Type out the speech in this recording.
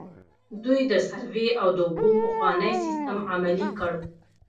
دوی د سروې او د اوبو پخوانی سیستم عملي کړ.